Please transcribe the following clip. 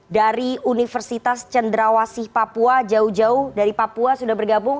dari universitas cenderawasih papua jauh jauh dari papua sudah bergabung